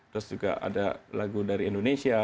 terus juga ada lagu dari indonesia